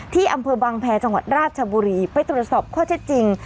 ที่อำเภอบังแพรจังหวัดราชบุรีไปตรวจสอบข้อเท็จจริง